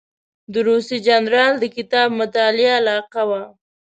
د روسي جنرال د کتاب مطالعه علاقه وه.